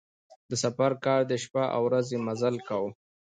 د سفر کار دی شپه او ورځ یې مزل کاوه.